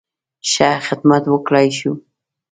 ښه خدمت وکړای شي.